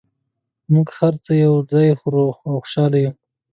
موږ هر څه یو ځای خورو او خوشحاله یو